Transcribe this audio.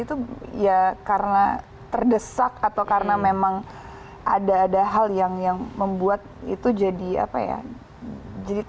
itu ya karena terdesak atau karena memang ada ada hal yang membuat itu jadi apa ya jadi